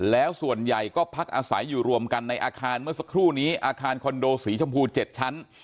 แล้วส่วนใหญ่ก็พักอาศัยอยู่รวมกันในอาคารเมื่อสักครู่นี้อาคารคอนโดสีชมพู๗ชั้น